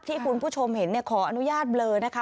ที่คุณผู้ชมเห็นขออนุญาตเบลอนะคะ